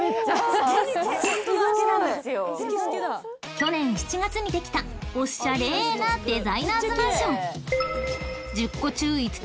［去年７月にできたおっしゃれなデザイナーズマンション］